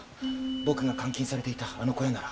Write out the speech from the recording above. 僕が監禁されていたあの小屋なら。